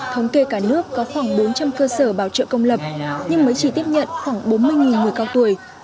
thống kê cả nước có khoảng bốn trăm linh cơ sở bảo trợ công lập nhưng mới chỉ tiếp nhận khoảng bốn mươi người cao tuổi